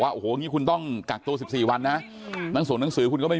ว่าโอ้โหนี่คุณต้องกักตัว๑๔วันนะนังส่วนหนังสือคุณก็ไม่